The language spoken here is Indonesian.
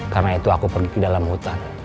karena itu aku pergi ke dalam hutan